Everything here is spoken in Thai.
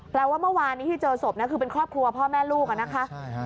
แปลว่าเมื่อวานที่เจอศพคือเป็นครอบครัวพ่อแม่ลูกค่ะ